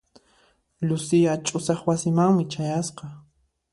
Lucia ch'usaq wasimanmi chayasqa.